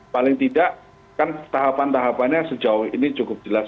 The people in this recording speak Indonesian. paling tidak kan tahapan tahapannya sejauh ini cukup jelas